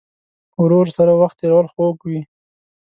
ورور سره وخت تېرول خوږ وي.